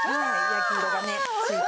焼き色がねついて。